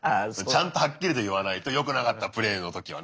ちゃんとはっきりと言わないとよくなかったプレーのときはね。